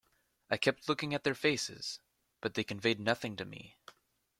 I kept looking at their faces, but they conveyed nothing to me.